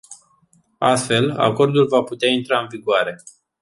Astfel, acordul va putea intra în vigoare.